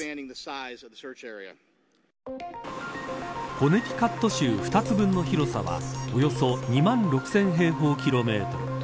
コネティカット州２つ分の広さはおよそ２万６０００平方キロメートル。